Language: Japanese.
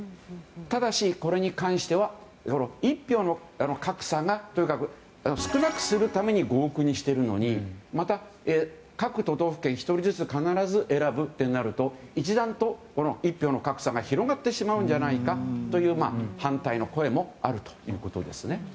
ただし、これに関しては一票の格差がとにかく少なくするために合区にしているのにまた各都道府県１人ずつ必ず選ぶとなると一段と一票の格差が広がってしまうんじゃないかという反対の声もあるということですね。